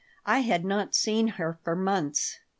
I had not seen her for months.